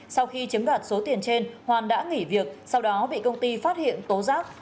sau khi chiếm đoạt số tiền trên hoàn đã nghỉ việc sau đó bị công ty phát hiện tố giác